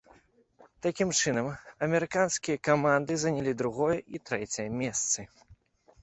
Такім чынам, амерыканскія каманды занялі другое і трэцяе месцы.